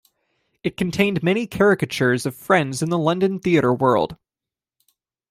It contained many caricatures of friends in the London theatre world.